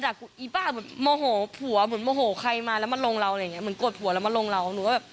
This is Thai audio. จะแค่กูอันนี้ไม่ทราบนะ